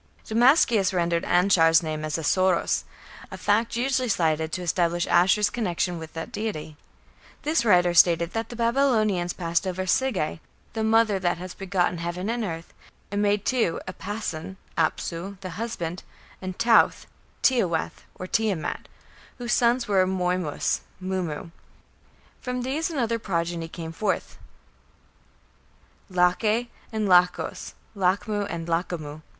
Damascius rendered Anshar's name as "Assōros", a fact usually cited to establish Ashur's connection with that deity. This writer stated that the Babylonians passed over "Sige, the mother, that has begotten heaven and earth", and made two Apason (Apsu), the husband, and Tauthe (Tiawath or Tiamat), whose son was Moymis (Mummu). From these another progeny came forth Lache and Lachos (Lachmu and Lachamu).